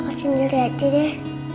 aku sendiri aja deh